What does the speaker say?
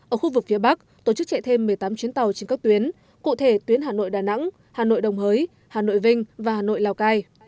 ở khu vực phía bắc tổ chức chạy thêm một mươi tám chuyến tàu trên các tuyến cụ thể tuyến hà nội đà nẵng hà nội đồng hới hà nội vinh và hà nội lào cai